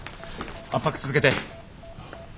圧迫続けて。